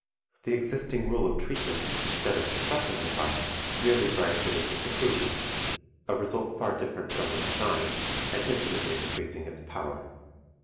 The existing rule of treatment, instead of suppressing the vice, merely drives it into seclusion a result far different from the design, and infinitely increasing its power.